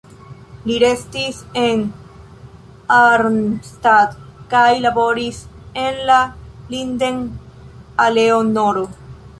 Li restis en Arnstadt kaj laboris en la Linden-aleo nr.